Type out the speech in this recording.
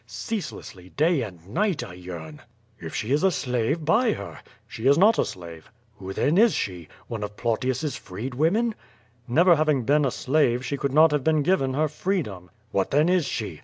Ceaselessly, day and night I yearn." "If she is a slave, l)uy her." "She is not a slave." "Who then is she? One of Plautius's freed women?" "Never having been a slave, she could not have been given her freedom." ^/"What, then, is she?"